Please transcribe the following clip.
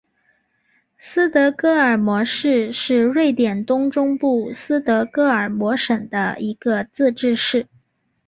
斯德哥尔摩市是瑞典中东部斯德哥尔摩省的一个自治市。